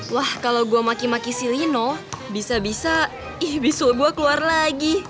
wah kalau gue maki maki si lino bisa bisa bisul gue keluar lagi